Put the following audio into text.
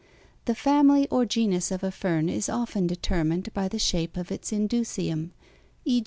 The family or genus of a fern is often determined by the shape of its indusium; e.